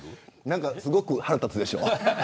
なんかすごく腹立つでしょう。